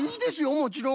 もちろん！